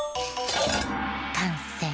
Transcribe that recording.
かんせい。